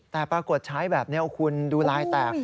แต่ปรากฏใช้แบบนี้คุณดูลายแตก